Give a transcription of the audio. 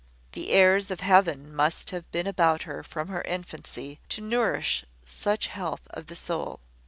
The airs of heaven must have been about her from her infancy, to nourish such health of the soul.